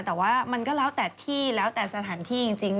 แต่ว่ามันก็แล้วแต่ที่แล้วแต่สถานที่จริง